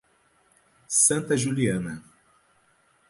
Santa Juliana